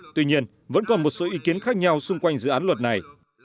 tuy nhiên vẫn còn một số ý kiến khác nhau xung quanh dự án luật này